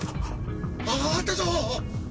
ああったぞ！